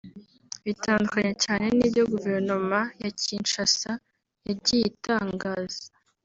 bitandukanye cyane n’ibyo Guverinoma ya Kinshasa yagiye itangaza